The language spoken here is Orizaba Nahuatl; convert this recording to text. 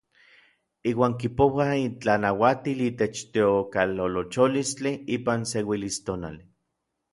Iuan kipouaj itlanauatil itech teokalolocholistli ipan seuilistonali.